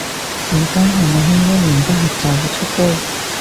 而家係咪興一言不合就出刀